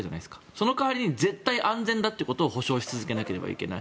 その代わり絶対に安全だということを保証し続けなければいけない。